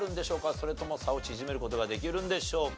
それとも差を縮める事ができるんでしょうか？